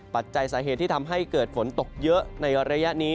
ปัจจัยสาเหตุที่ทำให้เกิดฝนตกเยอะในระยะนี้